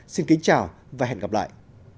xin kính chào và hẹn gặp lại